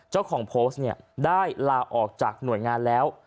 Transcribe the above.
เจ้าของโพสต์เนี่ยได้ลาออกจากหน่วยงานแล้ว